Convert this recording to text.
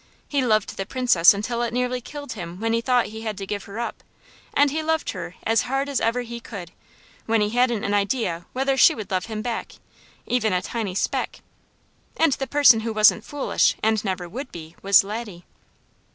He loved the Princess until it nearly killed him when he thought he had to give her up, and he loved her as hard as ever he could, when he hadn't an idea whether she would love him back, even a tiny speck; and the person who wasn't foolish, and never would be, was Laddie.